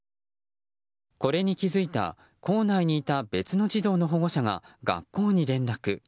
これに気付いた校内にいた別の児童の保護者が学校に連絡。